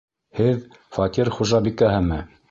Һеҙ фатир хужабикәһеме?